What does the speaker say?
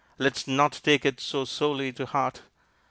Let's not take it so sorely to heart!